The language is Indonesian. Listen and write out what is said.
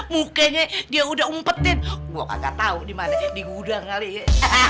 mukanya dia udah umpetin gua kagak tau dimana di gudang kali ya